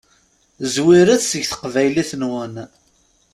Zwiret seg teqbaylit-nwen.